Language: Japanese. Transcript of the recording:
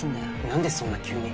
なんでそんな急に。